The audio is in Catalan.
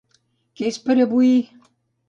Que és per avui!